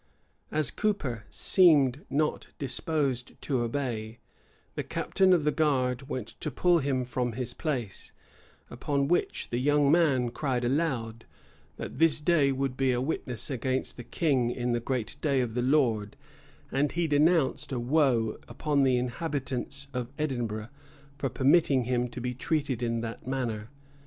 As Couper seemed not disposed to obey, the captain of the guard went to pull him from his place; upon which the young man cried aloud, that this day would be a witness against the king in the great day of the Lord; and he denounced a woe upon the inhabitants of Edinburgh for permitting him to be treated in that manner.